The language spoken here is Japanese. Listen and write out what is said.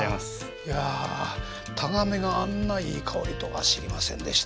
いやタガメがあんないい香りとは知りませんでした。